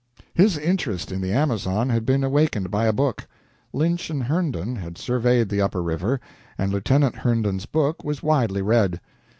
His interest in the Amazon had been awakened by a book. Lynch and Herndon had surveyed the upper river, and Lieutenant Herndon's book was widely read.